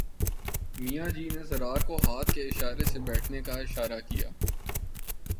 میاں جی نے ضرار کو ہاتھ کے اشارے سے بیٹھنے کا اشارہ کیا